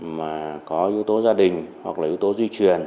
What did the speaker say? mà có yếu tố gia đình hoặc là yếu tố di truyền